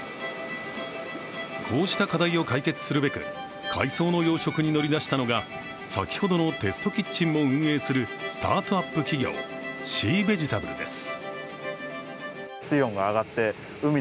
こうした課題を解決するべく海藻の養殖に乗り出したのが先ほどのテストキッチンも運営するスタートアップ企業、シーベジタブルです。